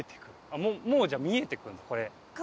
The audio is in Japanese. もうじゃあ見えてくるんだこれ。